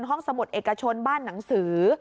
สมุดเอกชนบ้านหนังสือ